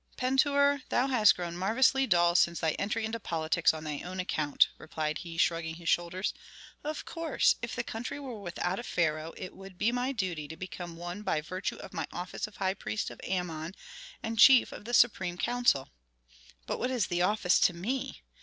"Pentuer, thou hast grown marvellously dull since thy entry into politics on thy own account," replied he, shrugging his shoulders. "Of course, if the country were without a pharaoh, it would be my duty to become one by virtue of my office of high priest of Amon, and chief of the supreme council. But what is the office to me?